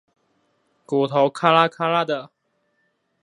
骨頭喀啦喀啦地